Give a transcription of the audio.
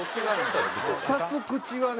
２つ口はね